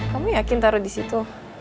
kamu yakin taruh disitu